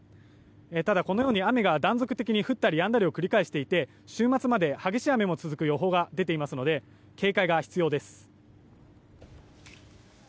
ただ、このように断続的に降ったりやんだりを繰り返していて週末まで激しい雨が続く予報が出ているので注意が必要です。